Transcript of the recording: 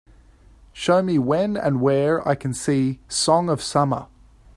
Show me when and where I can see Song of Summer